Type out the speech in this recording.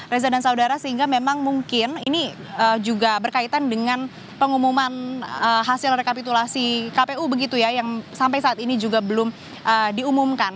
reza dan saudara sehingga memang mungkin ini juga berkaitan dengan pengumuman hasil rekapitulasi kpu begitu ya yang sampai saat ini juga belum diumumkan